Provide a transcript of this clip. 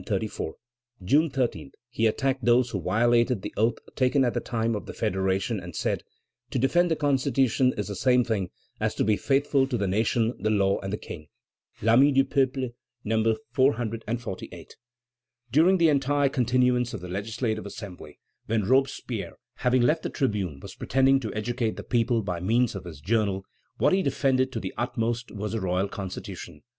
June 13, he attacked those who violated the oath taken at the time of the Federation, and said: "To defend the Constitution is the same thing as to be faithful to the nation, the law, and the King" (L' Ami du Peuple, No. 448). During the entire continuance of the Legislative Assembly, when Robespierre, having left the tribune, was pretending to educate the people by means of his journal, what he defended to the utmost was the royal Constitution.